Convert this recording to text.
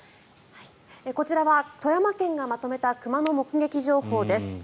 こちらは富山県がまとめた熊の目撃情報です。